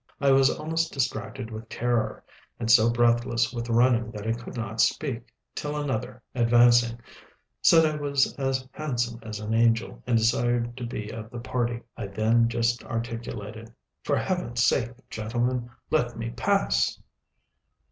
I was almost distracted with terror, and so breathless with running that I could not speak; till another, advancing, said I was as handsome as an angel, and desired to be of the party. I then just articulated, "For Heaven's sake, gentlemen, let me pass!"